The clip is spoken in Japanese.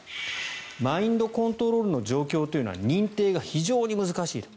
マインドコントロールの状況というのは認定が非常に難しいと。